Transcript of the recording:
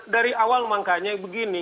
saya menganggap ini